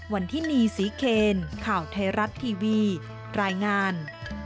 วันที่นี่ศรีเคนข่าวไทยรัฐทีวีรายงาน